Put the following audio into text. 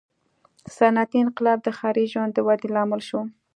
• صنعتي انقلاب د ښاري ژوند د ودې لامل شو.